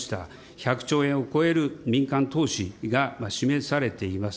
１００兆円を超える民間投資が示されています。